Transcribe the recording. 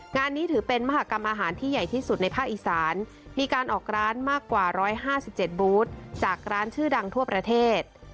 งานนี้ถือเป็นมหากรรมอาหารที่ใหญ่ที่สุดในภาคอีสานมีการออกร้านมากกว่า๑๕๗บูธจากร้านชื่อดังทั่วประเทศ